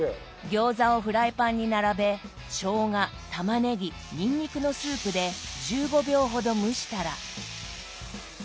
餃子をフライパンに並べしょうがたまねぎにんにくのスープで１５秒ほど蒸したら。